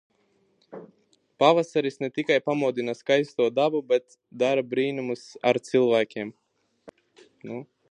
Pavasaris ne tikai pamodina skaisto dabu, bet dara brīnumus ar cilvēkiem.